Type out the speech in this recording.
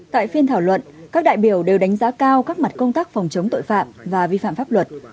tại phiên thảo luận các đại biểu đều đánh giá cao các mặt công tác phòng chống tội phạm và vi phạm pháp luật